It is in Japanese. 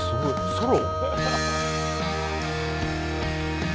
ソロ？